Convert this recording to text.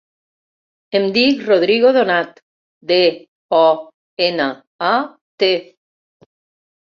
Em dic Rodrigo Donat: de, o, ena, a, te.